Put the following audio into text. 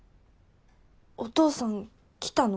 お父さん来たの？